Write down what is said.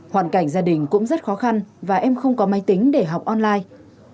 hoàn cảnh gia đình cũng rất khó khăn và em không có máy tính để học online